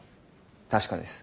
確かです。